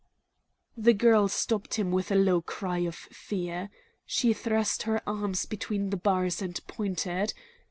The girl stopped him with a low cry of fear. She thrust her arms between the bars and pointed.